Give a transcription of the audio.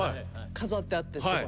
飾ってあって。